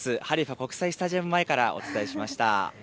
国際スタジアム前からお伝えしました。